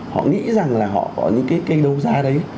họ nghĩ rằng là họ có những cái kênh đấu giá đấy